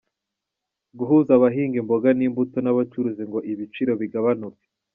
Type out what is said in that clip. Guhuza abahinga imboga n’imbuto n’abacuruzi ngo ibiciro bigabanuke